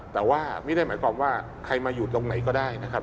แต่ว่าไม่ได้หมายความว่าใครมาอยู่ตรงไหนก็ได้นะครับ